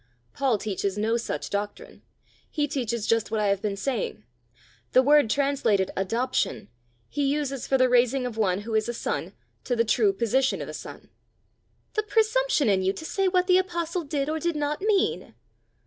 "Paul teaches no such doctrine. He teaches just what I have been saying. The word translated adoption, he uses for the raising of one who is a son to the true position of a son." "The presumption in you to say what the apostle did or did not mean!"